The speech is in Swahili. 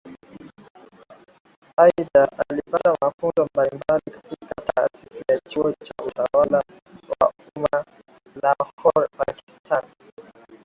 Aidha alipata mafunzo mbalimbali katika Taasisi ya Chuo cha Utawala wa Umma Lahore Pakistan